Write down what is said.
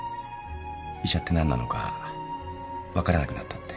医者って何なのか分からなくなったって。